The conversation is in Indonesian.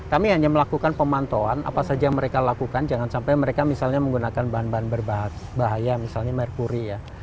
kami hanya melakukan pemantauan apa saja yang mereka lakukan jangan sampai mereka misalnya menggunakan bahan bahan berbahaya misalnya merkuri ya